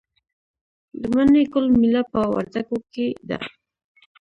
د مڼې ګل میله په وردګو کې ده.